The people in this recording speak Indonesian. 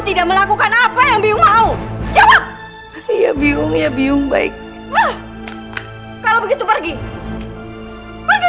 tidak melakukan apa yang biyung mau jawab iya biyung ya biyung baik kalau begitu pergi pergi